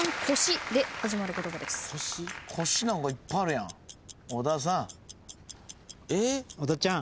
「こし」なんかいっぱいあるやん。